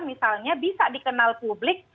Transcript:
misalnya bisa dikenal publik